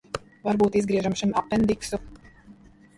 Varbūt izgriežam šim apendiksu?